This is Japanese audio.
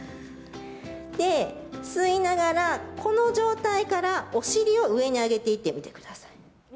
吸いながら、この状態からお尻を上に上げていってみてください。